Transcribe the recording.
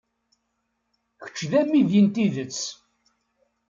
Kečč d amidi n tidet.